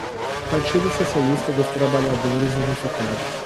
Partido socialista dos trabalhadores unificado